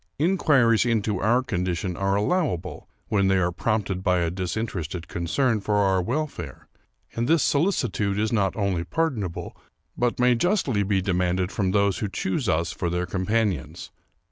Inquiries into our condition are allowable when they are prompted by a dis interested concern for our welfare ; and this solicitude is not only pardonable, but may justly be demanded from those who choose us for their companions.